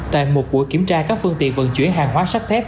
tại một buổi kiểm tra các phương tiện vận chuyển hàng hóa sắt thép